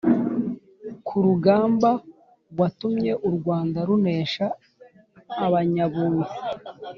kurugamba watumye urwanda runesha abanyabungo.